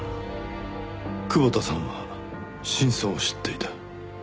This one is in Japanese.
窪田さんは真相を知っていた。